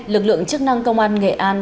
lực lượng chức năng công an nghệ an